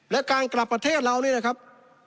และการกลับประเทศเรานี่นะครับ